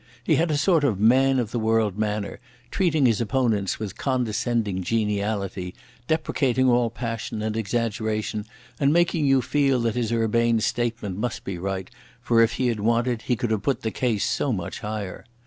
He had a sort of man of the world manner, treating his opponents with condescending geniality, deprecating all passion and exaggeration and making you feel that his urbane statement must be right, for if he had wanted he could have put the case so much higher.